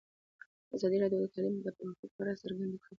ازادي راډیو د تعلیم د پرمختګ په اړه هیله څرګنده کړې.